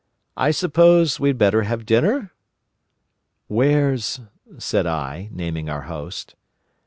"I suppose we'd better have dinner?" "Where's——?" said I, naming our host.